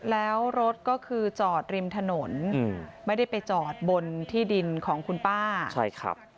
แล้วรถก็คือจอดริมถนนไม่ได้ไปจอดบนที่ดินของคุณป้าใช่ครับ